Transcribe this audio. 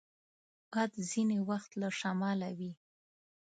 باد ځینې وخت له شماله وي